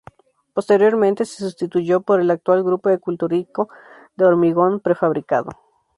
Posteriormente se sustituyó por el actual grupo escultórico de hormigón prefabricado.